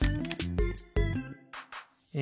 え